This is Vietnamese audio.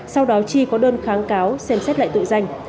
sau đó tri có đơn kháng cáo xem xét lại tự danh